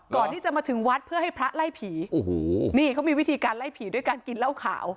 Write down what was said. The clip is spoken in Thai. ก่อนที่จะมาถึงวัดเพื่อให้พระไล่ผีโอ้โหนี่เขามีวิธีการไล่ผีด้วยการกินเหล้าขาว